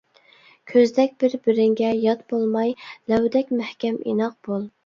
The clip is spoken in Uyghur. كۆزدەك بىر-بىرىڭگە يات بولماي، لەۋدەك مەھكەم ئىناق بول.